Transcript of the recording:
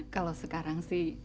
kalau sekarang sih